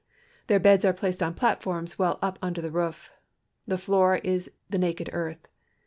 Their beds are placed on platforms well up under the roof. The floor is the naked earth.